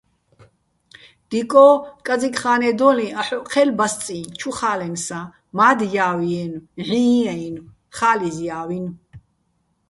დიკო́, კაძიკ ხა́ნედოლიჼ აჰ̦ოჸ ჴე́ლო̆ ბასწიჼ, ჩუ ხა́ლენსაჼ, მა́დჲავჲიენო̆, "ჵიი"-აჲნო̆, ხალიზჲავინო̆.